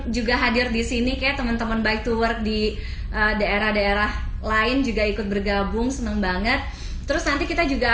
juga hadir disini ke teman teman by the work di daerah daerah lain juga ikut bergabung seneng